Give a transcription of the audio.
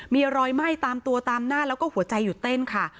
มีรอยไหม้ตามตัวตามหน้าแล้วก็หัวใจหยุดเต้นค่ะ